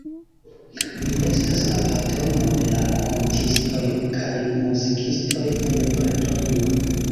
Li estas la patrono de la kantistoj kaj muzikistoj en Bretonio.